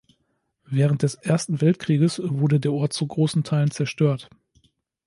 Während des Ersten Weltkrieges wurde der Ort zu großen Teilen zerstört.